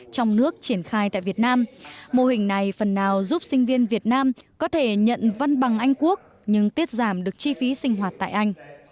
trong nước triển khai tại việt nam mô hình này phần nào giúp sinh viên việt nam có thể nhận văn bằng anh quốc nhưng tiết giảm được chi phí sinh hoạt tại anh